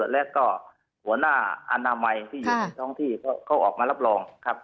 แล้วก็หัวหน้าอนามัยที่อยู่ในท้องที่เขาออกมารับรองครับ